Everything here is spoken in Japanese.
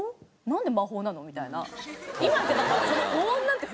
なんで魔法なの？みたいな。